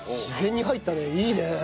自然に入ったねいいね。